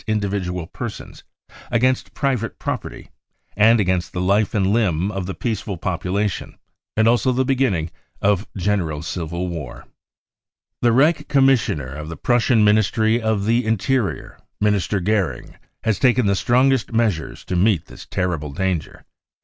individual persons, against private property, and against the life and limb of the peaceful population, and also the beginning of general civil war. " The Reich Commissioner of the Prussian Ministry of the Interior, Minister Goering, has taken the strongest measures to meet this terrible danger.